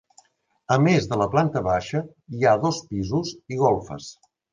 A més de la planta baixa hi ha dos pisos i golfes.